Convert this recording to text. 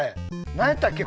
なんやったっけ？